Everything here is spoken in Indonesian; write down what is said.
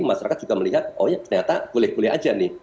masyarakat juga melihat oh ya ternyata boleh boleh aja nih